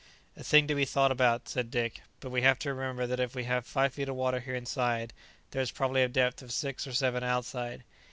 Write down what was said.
"A thing to be thought about," said Dick; "but we have to remember that if we have five feet of water here inside, there is probably a depth of six or seven outside.